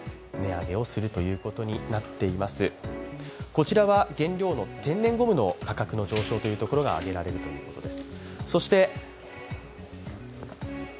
こちらは原料の天然ゴムの価格の上昇というところが挙げられるということです。